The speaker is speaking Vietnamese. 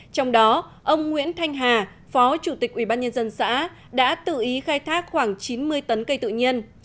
trong đó ông nguyễn thanh hà phó chủ tịch ubnd xã đã tự ý khai thác khoảng chín mươi tấn cây tự nhiên